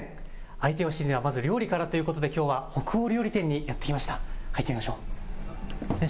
相手を知るにはまず料理からということできょうは北欧料理店に行きました。